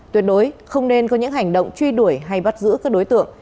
tuyệt đối không nên có những hành động truy đuổi hay bắt giữ các đối tượng